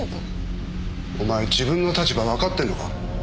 お前自分の立場わかってんのか？